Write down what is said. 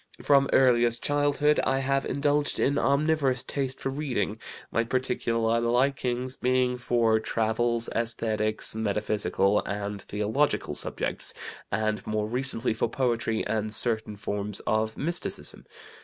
From earliest childhood I have indulged in omnivorous taste for reading, my particular likings being for travels, esthetics, metaphysical and theological subjects, and more recently for poetry and certain forms of mysticism.